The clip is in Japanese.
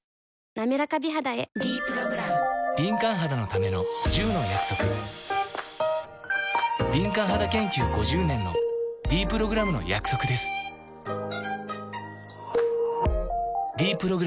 なめらか美肌へ「ｄプログラム」敏感肌研究５０年のｄプログラムの約束です「ｄプログラム」